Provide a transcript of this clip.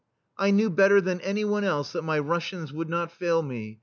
I knew better than any one else that my Rus sians would not fail me.